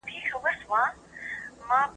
دا اثر د انسانانو اراده پیاوړې کوي.